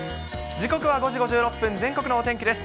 時刻は５時５６分、全国のお天気です。